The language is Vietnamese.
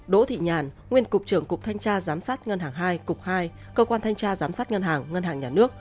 đỗ thị nhàn nguyên cục trưởng cục thanh tra giám sát ngân hàng hai cục hai cơ quan thanh tra giám sát ngân hàng ngân hàng nhà nước